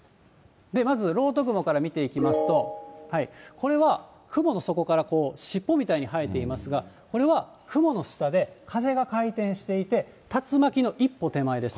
まず漏斗雲から見ていきますと、これは雲の底からしっぽみたいに生えていますが、これは雲の下で風が回転していて、竜巻の一歩手前です。